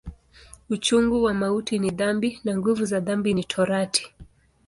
Uchungu wa mauti ni dhambi, na nguvu za dhambi ni Torati.